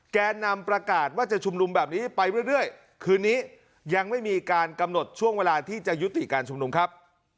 แกนนำประกาศว่าจะชุมนุมแบบนี้ไปเรื่อยคืนนี้ยังไม่มีการกำหนดช่วงเวลาที่จะยุติการชุมนุมครับ